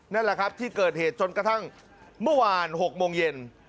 นั่นแหละครับที่เกิดเหตุจนกระทั่งเมื่อวาน๖โมงเย็น